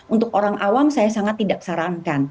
untuk orang awam saya sangat tidak sarankan